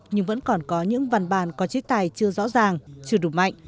nhưng vẫn còn có những văn bản có chế tài chưa rõ ràng chưa đủ mạnh